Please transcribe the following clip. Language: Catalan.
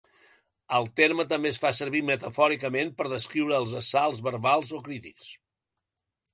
El terme també es fa servir metafòricament, per descriure els assalts verbals o crítics.